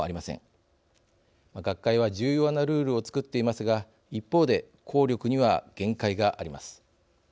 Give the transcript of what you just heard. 学会は重要なルールをつくっていますが一方で効力には限界があります。